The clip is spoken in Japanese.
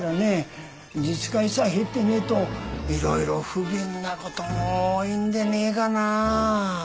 自治会さ入ってねえといろいろ不便な事も多いんでねえかな。